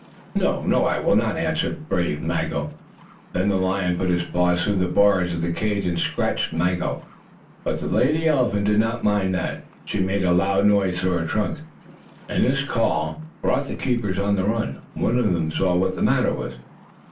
"No, no! I will not!" answered brave Maggo. Then the lion put his paws through the bars of the cage and scratched Maggo, but the lady elephant did not mind that. She made a loud noise through her trunk, and this call brought the keepers on the run. One of them saw what the matter was.